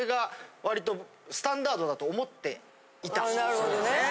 なるほどね。